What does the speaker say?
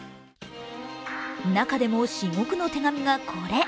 中でも至極の手紙がこれ。